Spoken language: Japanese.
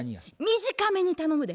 短めに頼むで。